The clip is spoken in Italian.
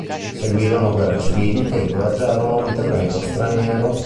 Seguirono guerre civili che incoraggiarono l'intervento straniero.